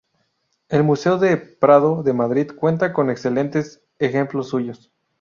El Museo del Prado de Madrid cuenta con excelentes ejemplos suyos.